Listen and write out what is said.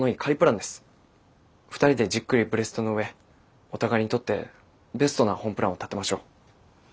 ２人でじっくりブレストの上お互いにとってベストな本プランを立てましょう。